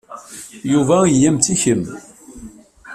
Yuba iga-am-d ti i kemm.